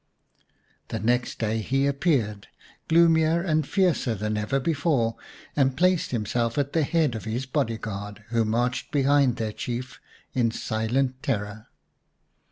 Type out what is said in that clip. The next day he appeared, gloomier and fiercer than ever before, and placed himself at the head of his body guard, who marched behind their Chief in silent terror.